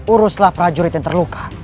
uruslah prajurit yang terluka